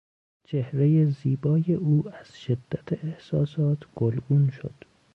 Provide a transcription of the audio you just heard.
چهرهی زیبای او از شدت احساسات گلگون شد.